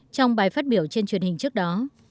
trong bài phát biểu trên truyền hình trước đó